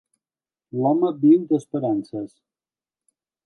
L'home viu d'esperances.